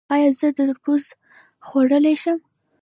ایا زه تربوز خوړلی شم؟